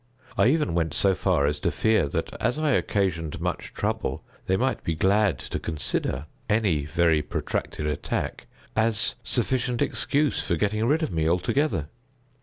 I even went so far as to fear that, as I occasioned much trouble, they might be glad to consider any very protracted attack as sufficient excuse for getting rid of me altogether.